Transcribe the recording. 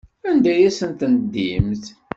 Anda ay asent-tendimt?